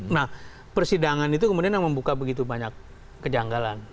nah persidangan itu kemudian yang membuka begitu banyak kejanggalan